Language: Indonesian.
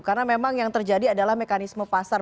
karena memang yang terjadi adalah mekanisme pasar